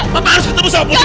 papa harus ketemu sama putri